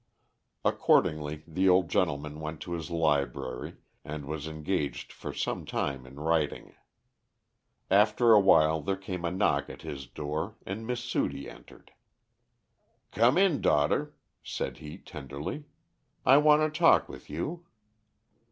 Accordingly the old gentleman went to his library and was engaged for some time in writing. After awhile there came a knock at his door, and Miss Sudie entered. "Come in, daughter," said he, tenderly. "I want to talk with you."